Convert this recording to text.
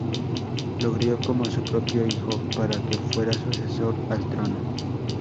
Lo crio como a su propio hijo para que fuera sucesor al trono.